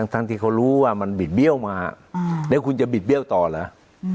ที่เขารู้ว่ามันบิดเบี้ยวมาแล้วคุณจะบิดเบี้ยวต่อเหรอ